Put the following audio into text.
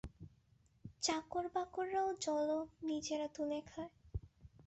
চাকরবাকররা জলও নিজেরা তুলে খায়।